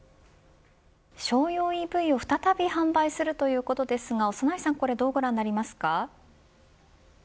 商用ＥＶを再び販売するということですがどうご覧になりますか。